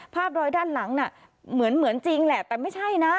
ภาพรอยด้านหลังน่ะเหมือนจริงแหละแต่ไม่ใช่นะ